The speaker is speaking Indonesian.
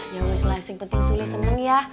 ya allah penting kamu senang ya